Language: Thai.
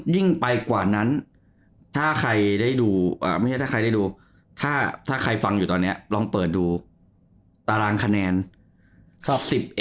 ยิ่งไปกว่านั้นถ้าใครได้ดูถ้าใครฟังอยู่ตอนนี้ลองเปิดดูตารางคะแนน๑๑๒๐อะ